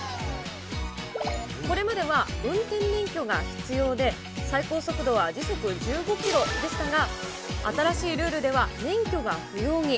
これまでは、運転免許が必要で、最高速度は時速１５キロでしたが、新しいルールでは、免許が不要に。